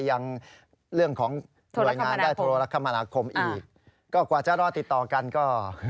ยังเรื่องของหน่วยงานได้โทรคมนาคมอีกก็กว่าจะรอติดต่อกันก็